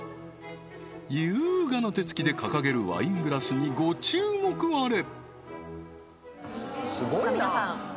優雅な手つきで掲げるワイングラスにご注目あれすごいなさあ